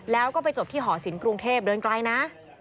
แล้วก็ไปจบที่หอศิลปกรุงเทพเดินไกลนะ